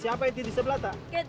siapa itu di sebelah tak